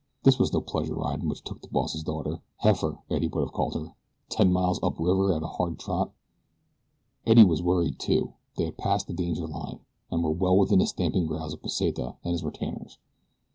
This was no pleasure ride which took the boss's daughter "heifer," Eddie would have called her ten miles up river at a hard trot. Eddie was worried, too. They had passed the danger line, and were well within the stamping ground of Pesita and his retainers.